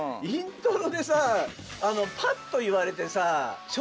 イントロでさぁぱっと言われてさぁ。